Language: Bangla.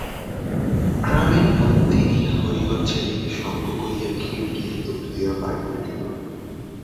গ্রামের মধ্যে দিয়া হরিহর ছেলেকে সঙ্গে করিয়া খিড়কির দোর দিয়া বাড়ি ঢুকিল।